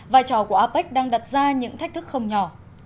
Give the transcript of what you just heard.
vai trò của apec đang đặt ra những thách thức không nhỏ